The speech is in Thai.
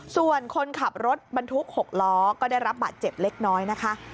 ส่วนคนขับรถบรรทุก๖ล้อก็ได้รับบาดเจ็บเล็กน้อยนะคะ